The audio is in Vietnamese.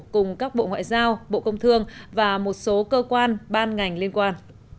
cùng các bộ ngoại giao bộ công thương và một số cơ quan ban ngành liên quan